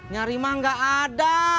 nyari mah gak ada